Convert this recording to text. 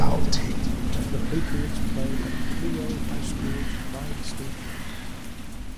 The Patriots play at Clio High School's Pride Stadium.